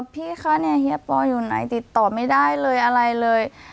พี่คะเนี่ยเฮียปออยู่ไหนติดต่อไม่ได้เลยอะไรเลย